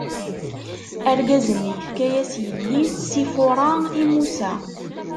Argaz-nni ifka-as yelli-s Sifura i Musa.